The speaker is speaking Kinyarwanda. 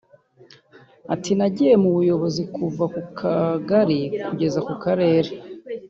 Ati "Nagiye mu buyobozi kuva ku kagari kugeza ku Karere